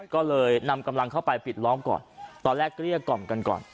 ก็เลยนำกำลังเข้าไปปิดล้อมก่อนตอนแรกเกลี้ยกล่อมกันก่อน